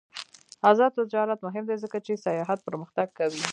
آزاد تجارت مهم دی ځکه چې سیاحت پرمختګ کوي.